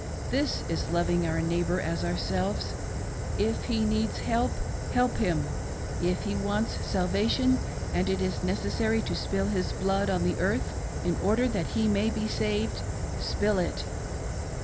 This is loving our neighbor as ourselves ; if he needs help, help him ; if he wants salvation, and it is necessary to spill his blood on the earth in order that he may ber saved, spill it.